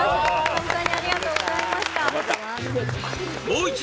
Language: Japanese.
本当にありがとうございました・頑張った！